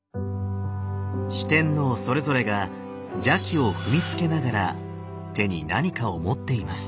四天王それぞれが邪鬼を踏みつけながら手に何かを持っています。